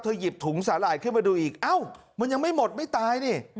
หยิบถุงสาหร่ายขึ้นมาดูอีกเอ้ามันยังไม่หมดไม่ตายนี่